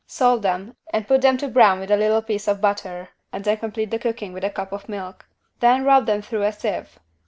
Salt them and put them to brown with a little piece of butter and then complete the cooking with a cup of milk. Then rub them through a sieve.